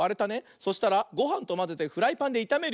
そしたらごはんとまぜてフライパンでいためるよ。